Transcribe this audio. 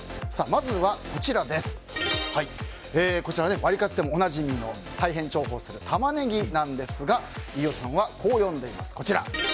まずは、ワリカツでもおなじみの大変重宝するタマネギですが飯尾さんは、こう呼んでいます。